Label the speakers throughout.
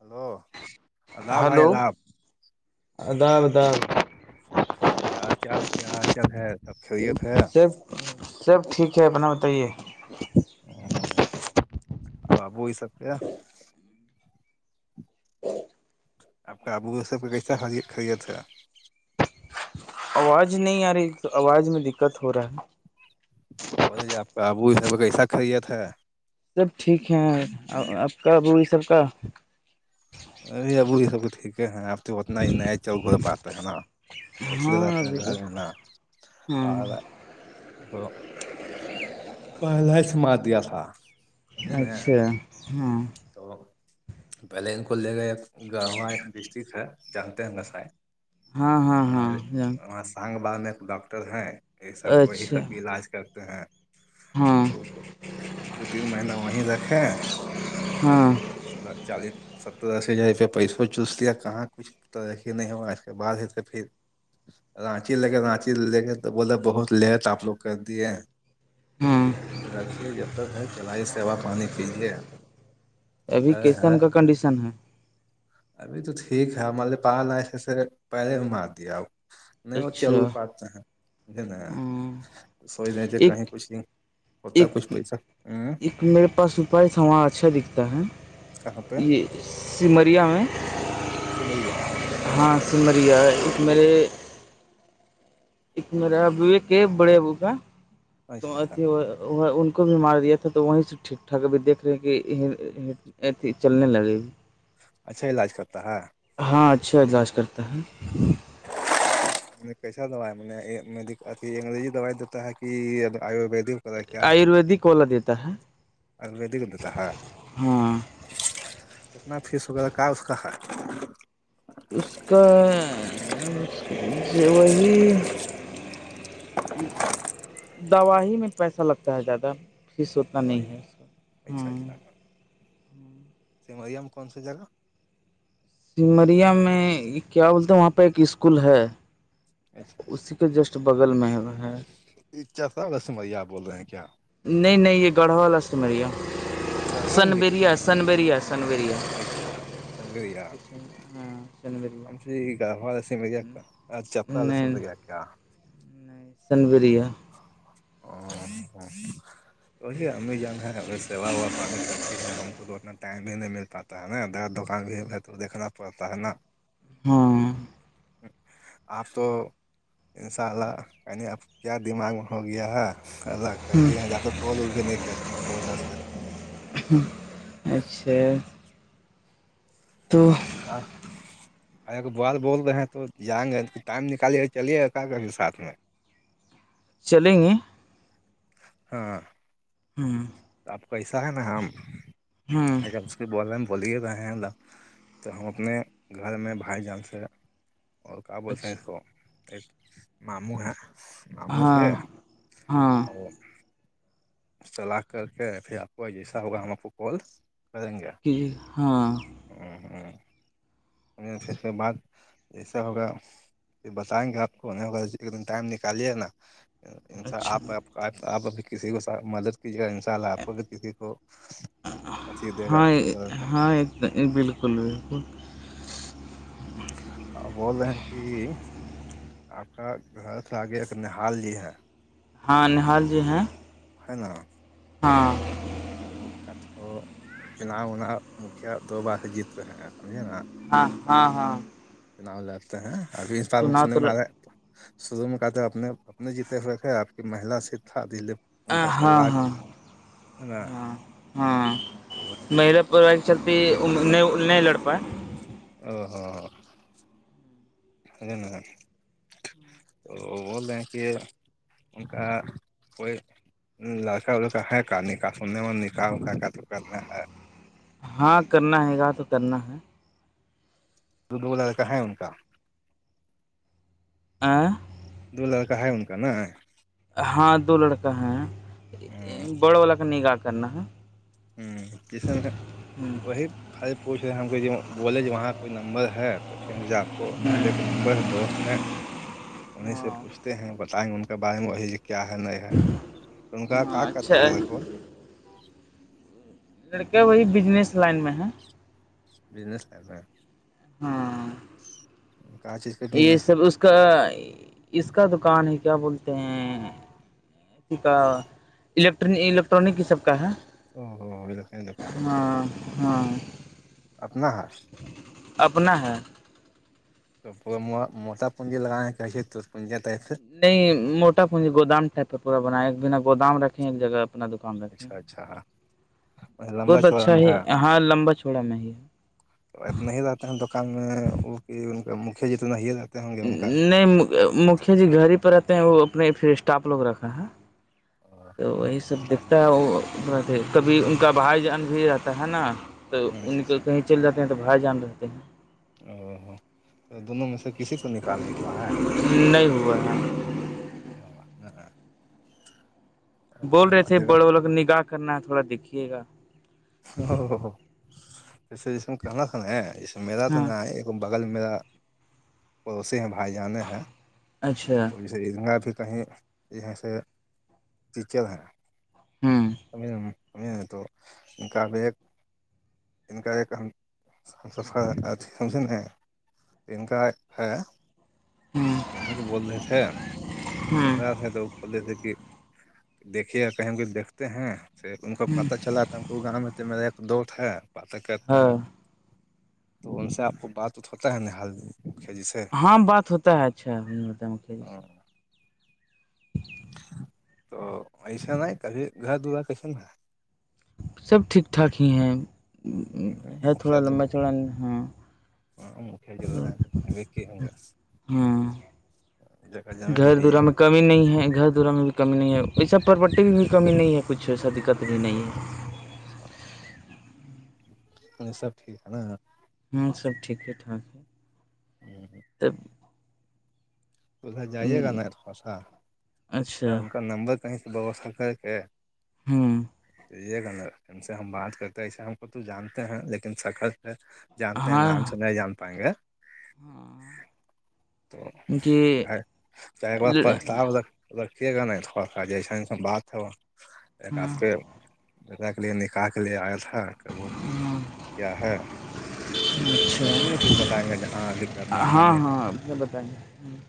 Speaker 1: Hello اللہاب بھائی
Speaker 2: hello
Speaker 1: اللہاب
Speaker 2: اداب اداب
Speaker 1: کیا چال کیا ح چل ہے خیریت ہے
Speaker 2: سب سب سب ٹھیک ہے اپنا بتائیے
Speaker 1: ا ابو یہ سب سے آپ کا ابو سب کا کیسا خرید تھا
Speaker 2: آواز نہیں آ رہی تو آواز میں دقت ہو رہا ہے
Speaker 1: وہ نہیں ج آپ کا ابو یہ س کیسا خریت ہے
Speaker 2: سب ٹھیک ہے آپ کا ابوی سب کا
Speaker 1: ا اب یہ سب تو ٹھیک ہے ہیں اب تو اتنا ہی نیا ہی چل گھول پاتے ہے نا بیٹھلے رہاتتے ہیں گھر میں نا
Speaker 2: ہوں
Speaker 1: وہ پہلا ہی سمار دیا تھا سمجھے نا
Speaker 2: اچھا ہاں
Speaker 1: تو پہلے ان کو لے گ ایک گ وہاں ایک ڈسٹرک ہے جانتے ہیں گسائ
Speaker 2: ہاں ہاں ہاں جان
Speaker 1: وہ سانگ با میں ایک ڈاکٹر ہیں یہ سب کو یہی سب
Speaker 2: اچھا
Speaker 1: علاج کرتے ہیں
Speaker 2: ہاں
Speaker 1: ا دو تین مہینہ وہیں رکھے
Speaker 2: ہاں
Speaker 1: س چالیس ستر د ہزار روپیہ پیسہ چوس لیا کہاں کچھ تو ای ہی نہیں ہوا اس کے بعد ہی تو پھر رانچی لے کے رانچی لے کے تو بولے بہت لیٹ آپ لوگ کر دیے
Speaker 2: ہاں
Speaker 1: رکھیے جب تک ہے چلائی سیوا پانی کیجے
Speaker 2: ابھی کیسن کا کنڈیشن ہے
Speaker 1: ابھی تو ٹھیک ہے ہمارے پا ایسے سے پہلے میں مار دیاؤ نہیں وہ
Speaker 2: اچھا
Speaker 1: چل پاتتا ہیں نہیں
Speaker 2: ہاں
Speaker 1: ن سوچ رہ تھے کہیں
Speaker 2: ایک
Speaker 1: کچھ نہیں ہوتا ہے کچھ
Speaker 2: ایک
Speaker 1: پیسہ ہوں
Speaker 2: ایک میرے پاس سپاری سوار اچھا دکھتا ہے
Speaker 1: کہاں پہ
Speaker 2: یہ سمریا میں
Speaker 1: سمریا
Speaker 2: ہاں سمریا ایک میرے ایک میرا ابو ایک بڑے ابو
Speaker 1: اچھا اچھا
Speaker 2: کاھی کو بھی مار دیا تھا تو وہیں سے ٹھیک ٹھاک ابھی دیکھ رہے کہ چلنے لگے گی
Speaker 1: اچھا علاج کرتا ہے
Speaker 2: ہاں اچھا اجلاج کرتے ہے
Speaker 1: [unintelligible] کیسا دو نےھی انگریزی دوائی دیتا ہے کہ آیورویدک ت کیا
Speaker 2: آیورویدک والا دیتا ہے
Speaker 1: د دیتا ہاں
Speaker 2: ہاں
Speaker 1: کتنا فیس ہوگیر کا اس کا ہے
Speaker 2: اس کا وہی دوا ہی میں پیسہ لگتا ہے زیادہ فیس اتنا
Speaker 1: دوائی
Speaker 2: نہیں
Speaker 1: میں
Speaker 2: ہے سب ہو
Speaker 1: اچھا اچھا سمریا میں کون سی جگہ
Speaker 2: سمریا میں کیا بولتے ہیں وہاں پہ ایک اسکول ہے
Speaker 1: اچھا
Speaker 2: اسی
Speaker 1: اچھا
Speaker 2: کے جسٹ بغل میں بہہ
Speaker 1: ای جاتا ہوگا سمریا اپ بول رہے ہیں کیا
Speaker 2: نہیں- نہیں یہ گڑھا والا سمریا-
Speaker 1: کہاں مل گئی
Speaker 2: سنبریا
Speaker 1: سمریا
Speaker 2: سنبریا سنبریا
Speaker 1: اچھا سنگریا-
Speaker 2: ہاں سنبریا
Speaker 1: ہم تو یہ گاؤں والوں سے ملے کا ا چپل سی مل گیا کیا-
Speaker 2: سنبیریا
Speaker 1: [unintelligible] تو ہی ہم بھی جان ہے ہم سوا ہوا پانی کرتی ہے ہم کو تونا- ٹائم بھی نہیں مل پاتا ہے نا دکان بھی تو دھنا پڑتا ہے نا-
Speaker 2: ہاں
Speaker 1: آپ تو ان شاء اللہ میں نے آپ کیا دماغ میں- ہو گیا ہے ایسا کرتی ہیں جا تو کال اول بھی نہیں کرتے تو وجہ سے-
Speaker 2: اچھا- تو
Speaker 1: ہاں- ایک بات بول رہے ہیں تو جائیں گے تو ٹائم نکال لیے چلیے کا کبھی ساتھ میں-
Speaker 2: چلیں گے
Speaker 1: ہاں-
Speaker 2: ہوں-
Speaker 1: آپ کو ایسا ہے نا ہم
Speaker 2: ہوں
Speaker 1: اگر- بولنے میں بولی ہی رہے ہیںا تو ہم اپنے گھر میں بھائی جان سے- اور کیا بولتے ہیں
Speaker 2: اچھا
Speaker 1: اس کو ایک ماموں ہے- مامو
Speaker 2: ہاں
Speaker 1: ہے
Speaker 2: ہاں
Speaker 1: اور چلا کر کے پھر آپ کو جیسا ہوگا ہم آپ کو کال کریں گے-
Speaker 2: کہ ہاں-
Speaker 1: [unintelligible] میں پھر کے بعد جیسا ہوگا- پھر بتائیں گے آپ کو اینیورسری کے دن ٹائم نکالیے نا- ان انسا
Speaker 2: اچھا
Speaker 1: آپ- آپ اب کسی کو سھ مدد کیجیے گا ان شاء اللہ آپ کو بھی کسی کو اچھی دے گا کا-
Speaker 2: نہیں بالکل- بالکل
Speaker 1: آپ بول رہے ہیں کہ آپ کا گھر سے آگے ایک نہال جی ہے-
Speaker 2: ہاں نہال جی ہیں?
Speaker 1: حنا
Speaker 2: ہاں-
Speaker 1: تو کتھ کو چناؤنا مکھیا دو بار جیت رہے ہیں بڑھیا نہ-
Speaker 2: ہاں- ہاں- ہاں
Speaker 1: چناؤ لڑتے ہیں ابھی اس بار میں
Speaker 2: چنا
Speaker 1: سننے
Speaker 2: تو
Speaker 1: میں آ رہا تو- شروع میں کاتے اپنے اپنے جیتے ہوئے تھے آپ کی مہلا سیٹ تھا دیدے-
Speaker 2: ہاں- ہاں -ہاں -ہاں
Speaker 1: تو وہ
Speaker 2: میرا پڑوائی کے چلتی
Speaker 1: کا
Speaker 2: انہوں نے او نہیں لڑ پائے-
Speaker 1: او ہو سنیے نا او بول رہے ہیں ان کا کوئی- لڑکا وڑکا ہے کا نکاح سننے میں نکاح بیکہ کرنا ہے-
Speaker 2: ہاں کرنا ہے گا تو کرنا ہے-
Speaker 1: دو لڑکا ہے ان کا-
Speaker 2: [unintelligible]
Speaker 1: دو لڑکا ہے ان کاا ن-
Speaker 2: ہاں دو لڑکا ہیں بڑ والا کا نگاہ کرنا ہے-
Speaker 1: ہوں کسن کا- وہی خ پور سے ہم کو بولے ج وہاں کا کوئی نمبر ہے تو پھر ہم جاپ- ہم کو لے ایک نمبر دوست ہے انیں سے
Speaker 2: ہاں
Speaker 1: پوچھتے ہیں بتائیں گے ان کے بارے میں وہی کیا ہے ن ان کا ک
Speaker 2: ہاں
Speaker 1: ک
Speaker 2: اچھا
Speaker 1: تھا کو
Speaker 2: لڑک وہی بزنس لائن میں ہے
Speaker 1: بزنس کر رہ
Speaker 2: ہاں
Speaker 1: کہاں چیز کا
Speaker 2: یہ
Speaker 1: بزنس ہے
Speaker 2: سب اس کا اس کا دکان ہے کیا بولتے ہیں الیکٹر الیکٹرانک ہی سب کا ہے
Speaker 1: او تو کیں دکیں
Speaker 2: ہاں ہاں
Speaker 1: اپنا ہص
Speaker 2: اپنا ہے
Speaker 1: تو وہ موٹا پونجی لگانےیں کہےیے تو پنجی تھر
Speaker 2: نہیں موٹا پونجی گودام ٹائپ کاہ پورا بنا ایک بنا گودام رکھے ایک جگہ پہ اپنا دکان رکھتے
Speaker 1: اچھا اچھا لمبا
Speaker 2: بہت
Speaker 1: چوڑا
Speaker 2: اچھا
Speaker 1: میں
Speaker 2: ہی
Speaker 1: ہے
Speaker 2: ہاں لمبا چھڑا میں ہی
Speaker 1: تو اتنا ہی رہتے ہیں دکان میں وہ کہ ان کا مکیا جی تونا ہی رہتا
Speaker 2: نہیں مکھیا جی گھر ہی پ رہتے ہیں وہ اپنے پھر اسٹاف لوگ رکھا ہے تو وہی سب دکھتا ہے وہ کبھی ان کا بھائی جان بھی رہتا ہے نا تو ان کو
Speaker 1: اچھا
Speaker 2: کہیں چل جاتے ہیں تو بھائی جان رہتے ہیں
Speaker 1: او تو دونوں میں سے کسی کو نکاح نہیں ہوا ہے
Speaker 2: نہیں ہوا ہے
Speaker 1: ہ ہاں
Speaker 2: بول رہے تھے بڑوں بوں کو نگاہ کرنا ہے تھوڑا دیکھیے گا
Speaker 1: ا اس میں کانا کھانا ہے اس میرا تو
Speaker 2: ہاں
Speaker 1: ن ہے بغل میرا پڑوس ہیں بھائی جانے ہے
Speaker 2: اچھا
Speaker 1: تو جا بھی کہیں یہاں سے ٹیچر ہیں
Speaker 2: ہوں
Speaker 1: تو ان کا بی ایک جن کاار ایک کہ ہم صاف سافا اھی ک سے ہیں ان ان کا ہے
Speaker 2: ہوں
Speaker 1: انیں کو بول رہے تھے ہم
Speaker 2: ہ
Speaker 1: سہر ہیں تو پے سےے کہ دیکھیے کہیں کہ دھتے ہیں پھر ان کا پتا چلا تو گاؤں میں تو میرا ایک دوست ہے پاتیں کرتے ہیں
Speaker 2: ہاں
Speaker 1: تو ان سے آپ کو بات اٹت ہوتا ہے نہال مکھیا جی سے
Speaker 2: ہاں بات ہوتا ہے اچھا م جی سے
Speaker 1: تو ایسا ہے کبھی گھر دورارا کیسا ن ہے
Speaker 2: سب ٹھیک ٹھاک ہی ہیں ہے تھوڑا
Speaker 1: مکھیا دو
Speaker 2: لمبا چڑا ہاں
Speaker 1: [unintelligible] ہے تو بنے گے کہ ہوں گے
Speaker 2: ہاں
Speaker 1: جگہ جگہ
Speaker 2: گھر
Speaker 1: بھی ہے
Speaker 2: دورا میں کمی نہیں ہے گھر دورا میں کمی نہیں ہے اییسا پراپرٹی میں بھی کمی نہیں ہے کچھ ایسا دقت بھی نہیں ہے
Speaker 1: اچ یہ سب ٹھیک ہے نا
Speaker 2: ہاں سب ٹھیک ٹھاک ہے
Speaker 1: ہوں
Speaker 2: توب
Speaker 1: تو ادھر جائیے گا ناسا کیا
Speaker 2: اچھا
Speaker 1: ان کا نمبر کہیں سے ووستا کر کے
Speaker 2: ہوں
Speaker 1: یہ گ نا سے ہم بات کرتے ایسے ہم کو تو جانتے ہیں لیکن سخت جانتے ہیں نام سے
Speaker 2: ہاں
Speaker 1: نہیں جان پائیں گا تو
Speaker 2: کہ
Speaker 1: چ چائے بپا س ب ت لکے گ نہیں تھوڑا سوڑا اسا ایسا بات ہے ایک آپ
Speaker 2: ہاں
Speaker 1: کے با کے لیے نکالح کے لیے آئل تھا کہبول کیا ہے تو اپنے بھی
Speaker 2: اچھا
Speaker 1: کچھ بتائیں گے جہاں ابھی کرنا ہے نہیں کر [inaudible]
Speaker 2: ج بتیںے ہوں [inaudible]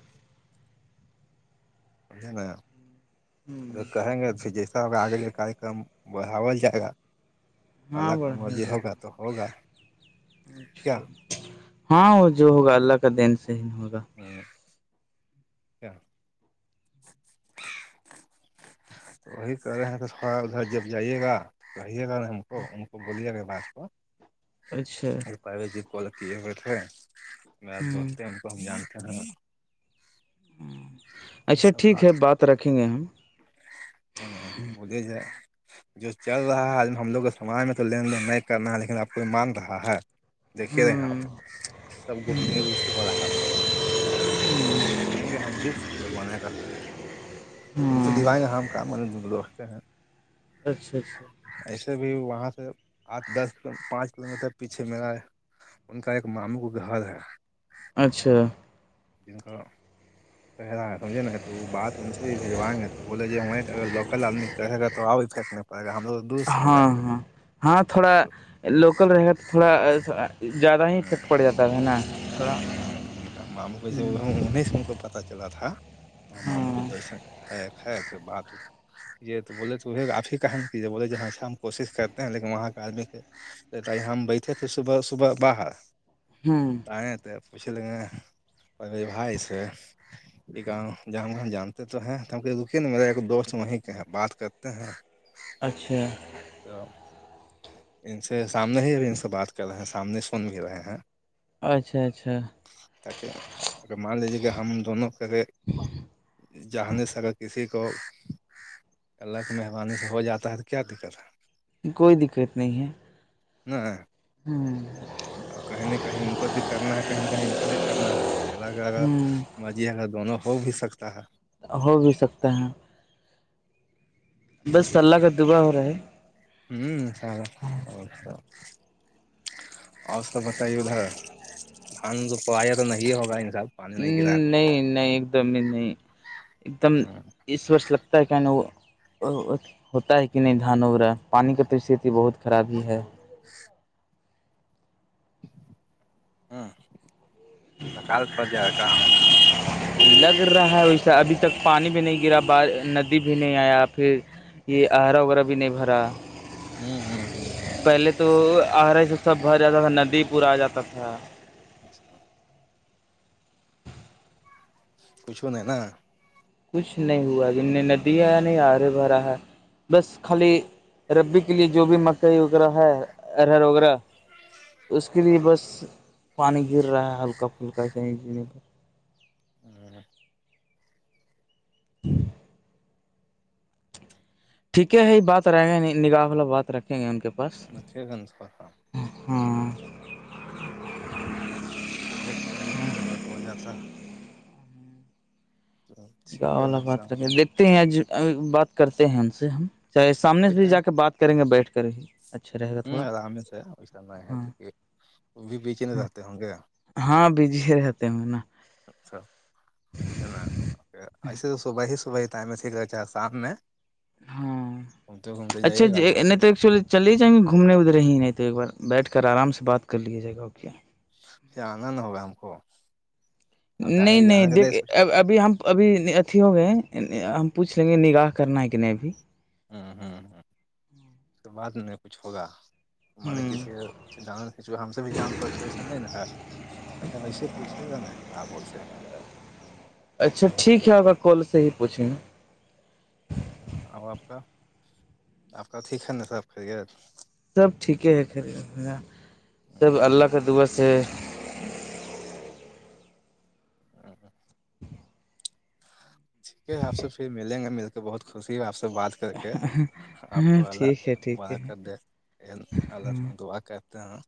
Speaker 1: بے نا ج کہیں گے پھر جیسا ا آگے [inaudible] ککم بڑھال جائے گا
Speaker 2: ہاں
Speaker 1: الگم
Speaker 2: بڑھیا
Speaker 1: ابھی
Speaker 2: جگہ
Speaker 1: ہوگا تو ہوگا [inaudible] کیا
Speaker 2: اچھا ہاں وہ جو ہوگا اللہ کا دین صحی نہیں ہوگا
Speaker 1: ج [inaudible] کیاچھ [inaudible] تو وہی کر رہے ہیں تو تھوڑا ادھر جب جائیے گا [inaudible] کہیے گا نا ہم کو ان کو بولیے گا باس کو [inaudible]
Speaker 2: اچھا
Speaker 1: بائیو جی کال کیے ہوئے تھے میرا
Speaker 2: ہوں
Speaker 1: دوست ہیں ان کو ہم جانتے ہیں [inaudible]
Speaker 2: ہ اچھا ٹھیک ہے بات رکھیں گے ہم
Speaker 1: ہ بھے سے [inaudible] جو چل رہا ہے آد ہم لوگ کو سمج میں تو لین دین نہیں کرنا ہے لیکن اب کوئی مانگ رہا ہے [inaudible] دیکے رہے ہیں آپ
Speaker 2: ہوں
Speaker 1: سب گوپنی روپ سے ہو رہا ہے تھا [inaudible] دیں گے ہمشس [inaudible] ان سے
Speaker 2: ہاں
Speaker 1: دیوائیں گ ہم ہم کامڑتے ہیں [inaudible]
Speaker 2: اچھا اچھا [inaudible]
Speaker 1: ایسے بھی وہاں سے آٹھ دس پانچ کلو میٹر پیچھے میرلاا ہے [inaudible] ان کا ایک ماموں کو گھر ہے [inaudible]
Speaker 2: اچھا
Speaker 1: جن کا پہ رہا ہے سمجھے نا تو وہ بات ان سے بھی بجوائیں گے تو بولے ج ہم اگر [inaudible] اکل آدمی کہ رہے گا تو آپ بھی پھییکک نہیں پڑے گا ہم لوگ دور سے ہو
Speaker 2: ہاں
Speaker 1: جاتے ہیں
Speaker 2: ہاں
Speaker 1: [inaudible]
Speaker 2: ہاں تھوڑا
Speaker 1: تو
Speaker 2: لوکل رہے گا تو تھوڑا زیادہ ہی فک پڑ جاتا ہے ہے نا [inaudible]
Speaker 1: ہوں تم کا ماموں کو جو انہیں سے ان کو پتا چلا تھا [inaudible] ہ ماموں کے
Speaker 2: ہاں
Speaker 1: جیسے ہے ہے ایک بات [inaudible] یہ تو بولے تو آپ ہی کہیںیے بولے جیاں اچھا ہم کوشش کرتے ہیں لیکن وہاں کا آدمی کے [inaudible] تائی ہم بیٹھے تھے صبح صبح باہر [inaudible]
Speaker 2: ہوں
Speaker 1: آیں تو پوچھ لیں گے پے با سے [inaudible] جام گ جانتے تو ہیں ہم کہ رکے نا میرا ایک دوست وہیں کہ بات کرتے ہیں [inaudible]
Speaker 2: اچھا [inaudible]
Speaker 1: تو [inaudible] ان سے سامنے ہی اب ان سے بات کر رہے ہیں سامنے ہی سن بھی رہے ہیں
Speaker 2: اچھا اچھا
Speaker 1: تاکہ اگر مان لیجیے کہ ہم دونوں کےے [inaudible] جہنی س اگر کسی کو [inaudible] اللہ مہرانی سے ہو جاتا ہے تو کیا دقت ہے [inaudible]
Speaker 2: کوئی دقت نہیں ہے
Speaker 1: ن ہ [inaudible]
Speaker 2: ہوں [inaudible]
Speaker 1: ا کہیں نہ کہیں ان کو بھی کرنا ہے کہیں نہ کہیں ان کو بھی کرنا ہے الگ ال
Speaker 2: ہوں
Speaker 1: [inaudible] مرزی دونوں ہو بھی سکتا ہے [inaudible]
Speaker 2: ہو بھی سکتے ہیں بس اللہ کا دعا ہو رہا ہے
Speaker 1: ہوں ہ [inaudible] اور اس کا بتائی ادھر دان جو پ آیا تو نہیں ہوگا انساب [inaudible]
Speaker 2: ہ نہیں نہیں ایک دم ہی نہیں [inaudible] ایک دم اس وور لگتا ہے کہ ن وہ [inaudible] ہوتا ہے کہ نہیں دھان وغیرہ پانی کا تو اس بہت خراب ہی ہے
Speaker 1: ہ کال سجا ہے کاا
Speaker 2: لگ رہا ہے ویسا ابھی تک پانی بھی نہیں گرا ب ندی بھی نہیں آیا پھر [unintelligible] یہ آرا وغیرہ بھی نہیں بھرا
Speaker 1: ہوں ہ ہ ہ ہ [unintelligible]
Speaker 2: پہلے تو آرے سے سب بھر جاتا تھا ندی پورا آ جاتا تھا
Speaker 1: اچھا کچھو نہیں نا
Speaker 2: کچھ نہیں ہوا جن نے ندیاں یا نہیں آرے بھرا ہے بس خالی ربی کے لیے جو بھی مکئی وغیرہ ہے ارہر وغیرہ اس کے لیے بس پانی گر رہا ہے ہلکا پھلکا چنے چنے
Speaker 1: ا [inaudible]
Speaker 2: جی [inaudible] ٹھیک ہے یہ بات رہیں گا نگاہف بات رکھیں گے ان کے پرس
Speaker 1: اچھے گنج پر ہاں
Speaker 2: ہاں [unintelligible]
Speaker 1: تو نا ہو جاتا تو ٹھیک
Speaker 2: گا والا
Speaker 1: رہ س
Speaker 2: بات رکھے دیکھتے ہیں بات کرتے ہیں ان سے ہم چاہے سامنے سے
Speaker 1: کوئی
Speaker 2: بھی
Speaker 1: ٹائم
Speaker 2: جا کے بات کریں گے بیٹھ کر ہی اچھا رہے گا
Speaker 1: ہ
Speaker 2: تھوڑا
Speaker 1: آرام سے ویسا نہیں ہے
Speaker 2: ہاں
Speaker 1: کیونکہ وہ بھی بیچےنے
Speaker 2: ہاں
Speaker 1: رہتے ہوں گے
Speaker 2: ہاں بزی ہی رہتے ہ نا
Speaker 1: اچھا [unintelligible] ہے نا ایسے تو صبح ہی صبح ہی ٹائم میں سیکھ چاہ شام میں
Speaker 2: ہاں
Speaker 1: ہم تو ہ [unintelligible]
Speaker 2: اچھا نہیں تو ایکچولی چلے جائیں گے گھومنے ادھرے ہی نہیں تو ایک بار بیٹھ کر آرام سے بات کر لیجے جائے گا اوک
Speaker 1: پ آنند ہوگا ہم کو اب
Speaker 2: نہیں
Speaker 1: ڈائریکٹ جانے
Speaker 2: نہیں
Speaker 1: کا
Speaker 2: دیک
Speaker 1: سوچ
Speaker 2: اب ابھی ہم ابھی اتھی ہو گئے ہم پوچھ لیں گے نگاہ کرنا ہے کہ نہیں ابھی
Speaker 1: ہوں ہوں ہ اس کے بعد نہیں کچھ ہوگا ملے
Speaker 2: ہوں
Speaker 1: کسی چ جان کچ ہم سے بھی جان سوچ وسا نہیں ن ہے ارے وسے پوچھے گا نا کیا بولتے ہیں
Speaker 2: اچھا
Speaker 1: نہیں بولتے
Speaker 2: ٹھیک ہے اگر کال سے ہی پوچھیں گا
Speaker 1: ا آپ کا آپ کا ٹھیک ہے نا صرحب خیریت
Speaker 2: سب ٹھیکے ہے خری سب اللہ کے دع سے
Speaker 1: ا [unintelligible] ٹھیک ہے آپ سے پھر ملیں گا مل کے بہت خوشی ہے آپ سے بات کر کے آپ
Speaker 2: ہاں
Speaker 1: اللہ
Speaker 2: ٹھیک ہے ٹھیک
Speaker 1: ب
Speaker 2: ہے
Speaker 1: کر د اللہ سے ہم دعا کرتے ہیں